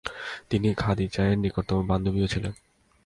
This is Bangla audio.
তিনি খাদিজা এর নিকটতম বান্ধবীও ছিলেন।